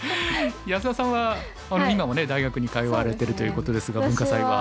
安田さんは今もね大学に通われてるということですが文化祭は。